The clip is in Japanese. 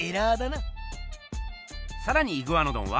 さらにイグアノドンは。